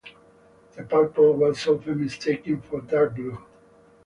The purple was often mistaken for dark blue.